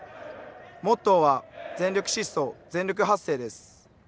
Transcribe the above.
モットーは全力疾走、全力発声です。